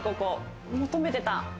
求めてた。